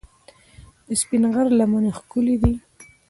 د سپین غر لمنې ښکلې دي